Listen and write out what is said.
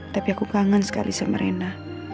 tapi aku kangen sekali sama rena